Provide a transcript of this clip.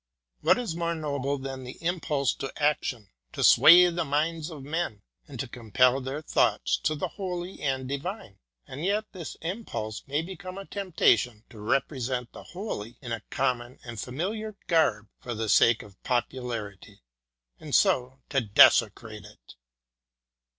What is more noble than the impulse to action, to sway the minds of men, and to compel their thoughts to the holy and divine 1 ? and yet this impulse may become a temptation to represent the holy in a common and familiar garb for the sake of popularity and so to desecrate it.